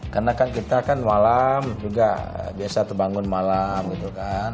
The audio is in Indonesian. karena kan kita kan malam juga biasa terbangun malam gitu kan